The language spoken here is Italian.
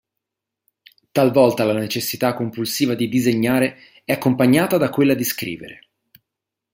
Talvolta la necessità compulsiva di disegnare è accompagnata da quella di scrivere.